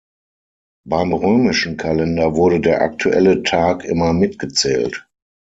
Beim römischen Kalender wurde der aktuelle Tag immer mitgezählt.